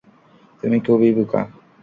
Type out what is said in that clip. তুমি খুবই বোকা।